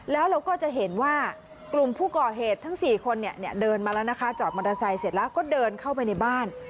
แล้วเราก็จะเห็นว่ากลุ่มผู้ก่อเหตุทั้ง๔คนเนี่ยเดินมาแล้วนะคะจอดมอเตอร์ไซค์เสร็จแล้วก็เดินเข้าไปในบ้าน